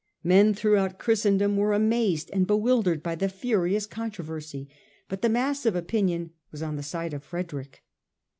Men throughout Christendom were amazed and be wildered by the furious controversy, but the mass of opinion was on the side of Frederick.